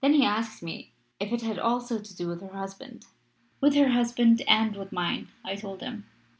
Then he asked me if it had also to do with her husband. "'With her husband and with mine,' I told him.